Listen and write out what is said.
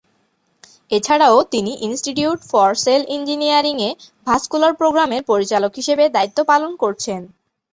এছাড়াও তিনি institute for cell ইঞ্জিনিয়ারিংয়ে ভাস্কুলার প্রোগ্রামের পরিচালক হিসেবে দায়িত্ব পালন করছেন।